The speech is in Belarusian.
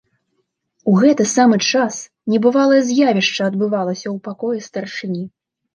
У гэты самы час небывалае з'явішча адбывалася ў пакоі старшыні.